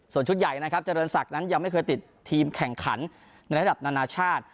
ส่วนชุดใหญ่นะครับเจริญศักดิ์นั้นยังไม่เคยติดทีมแข่งขันในระดับนานาชาติ